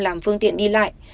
làm phương tiện đi lại